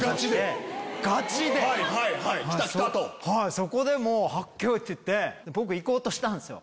そこではっけよい！っていって僕行こうとしたんすよ。